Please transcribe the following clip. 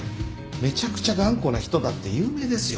めちゃくちゃ頑固な人だって有名ですよ